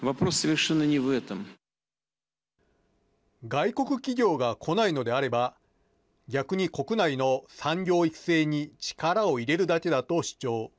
外国企業が来ないのであれば逆に国内の産業育成に力を入れるだけだと主張。